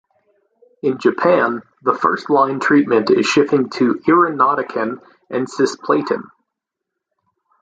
In Japan, the first line treatment is shifting to irinotecan and cisplatin.